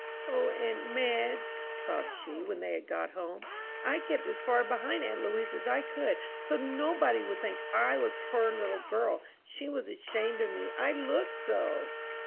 "O, aunt Madge," sobbed she, when they had got home, "I kept as far behind aunt Louise as I could, so nobody would think I was her little girl. She was ashamed of me, I looked so!"